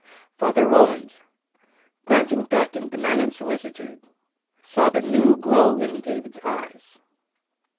Father Roland, glancing back in benignant solicitude, saw the new glow in David's eyes.